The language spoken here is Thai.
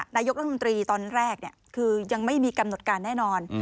นายกรัฐมนตรีตอนแรกคือยังไม่มีกำหนดการแน่นอน